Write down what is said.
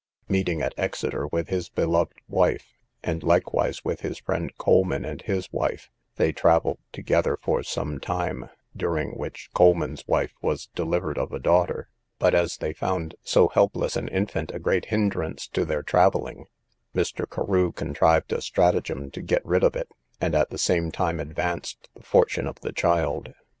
Meeting at Exeter with his beloved wife, and likewise with his friend Coleman and his wife, they travelled together for some time, during which Coleman's wife was delivered of a daughter; but as they found so helpless an infant a great hindrance to their travelling, Mr. Carew contrived a stratagem to get rid of it, and at the same time advanced the fortune of the child.